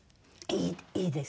いいです。